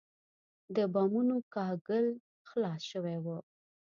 د بامونو کاهګل خلاص شوی و.